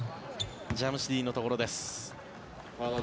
ジャムシディのところです。